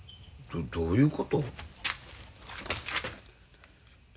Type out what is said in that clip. どういうこと？